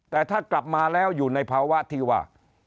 แต่ถ้ากลับมาแล้วอยู่ในภาวะที่ว่า